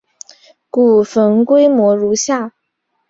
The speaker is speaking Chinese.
古坟规模如下。